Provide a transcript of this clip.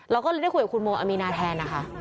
เราก็ได้คุยกับคุณโมอามีนาแทนนะคะ